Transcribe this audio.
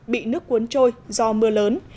bị nước cuốn trôi do mưa lớn